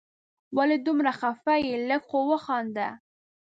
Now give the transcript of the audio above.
ولي دومره خفه یې ؟ لږ خو وخانده